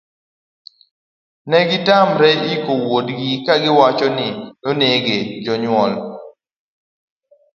negitamre iko wuodgi kagiwacho ni nonege. jonyuol